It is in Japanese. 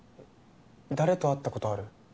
誰と会ったことある？